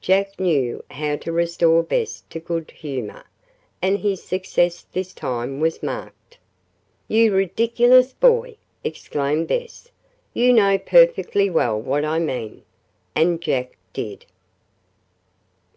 Jack knew how to restore Bess to good humor, and his success this time was marked. "You ridiculous boy!" exclaimed Bess. "You know perfectly well what I mean." And Jack did.